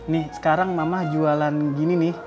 nih sekarang mamah jualan gini nih